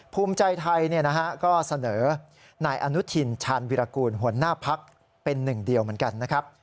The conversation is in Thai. ภูมิใจไทยก็เสนอนายอนุทินชาญวิรากูลหัวหน้าพักเป็นหนึ่งเดียวเหมือนกันนะครับ